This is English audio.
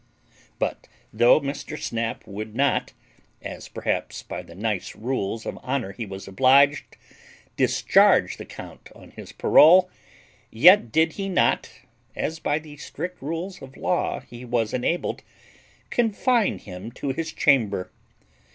But though Mr. Snap would not (as perhaps by the nice rules of honour he was obliged) discharge the count on his parole, yet did he not (as by the strict rules of law he was enabled) confine him to his chamber.